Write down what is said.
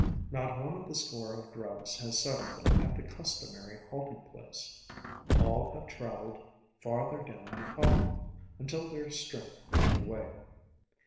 Not one of the score of grubs has settled at the customary halting place; all have traveled farther down the column, until their strength gave way.